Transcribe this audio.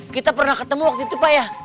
kita pernah ketemu waktu itu pak ya